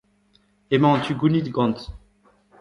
emañ an tu gounid gant…